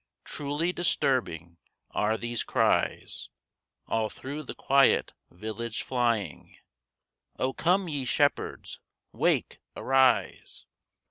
Truly disturbing are these cries, All through the quiet village flying, O come ye shepherds, wake, arise!